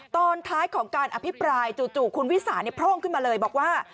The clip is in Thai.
ตอนท้ายของการอภิปรายจู่คุณวิสานโพร่งขึ้นมาเลยบอกว่า